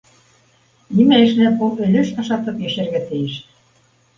Нимә эшләп ул өлөш ашатып йәшәргә тейеш?!